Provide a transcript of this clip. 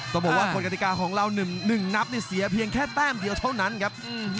ต้องบอกว่ากฎกติกาของเรา๑นับเสียเพียงแค่แต้มเดียวเท่านั้นครับ